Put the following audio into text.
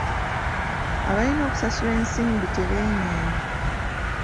Abalina okusasula ensimbi tebeenyeenya.